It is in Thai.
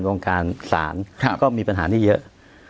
วงการศาลก็มีปัญหานี้เยอะ